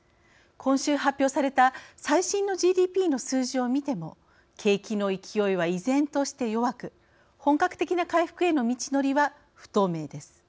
今週発表された最新のＧＤＰの数字をみても景気の勢いは依然として弱く本格的な回復への道のりは不透明です。